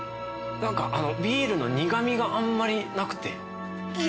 何かビールの苦味があんまりなくて。